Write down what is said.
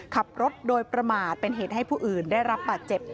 ขับรถโดยประมาทเป็นเหตุให้ผู้อื่นได้รับบาดเจ็บ